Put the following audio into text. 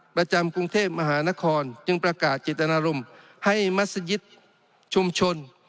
ประจำกรุงเทพมหานครจึงประกาศเจตนารมณ์ให้มัศยิตชุมชน